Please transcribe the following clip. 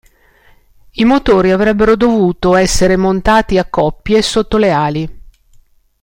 I motori avrebbero dovuto essere montati a coppie, sotto le ali.